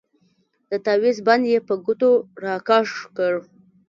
د تاويز بند يې په ګوتو راکښ کړ.